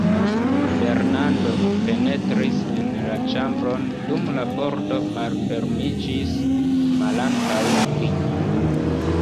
Fernando penetris en la ĉambron, dum la pordo malfermiĝis malantaŭ li.